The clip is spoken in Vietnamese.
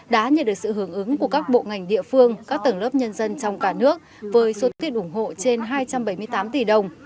đã nhận được sự hướng ứng của các bộ ngành địa phương các tầng lớp nhân dân trong cả nước với số tiền ủng hộ trên hai trăm bảy mươi tám tỷ đồng